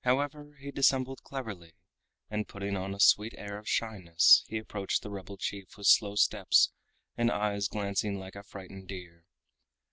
However, he dissembled cleverly, and putting on a sweet air of shyness he approached the rebel chief with slow steps and eyes glancing like a frightened deer.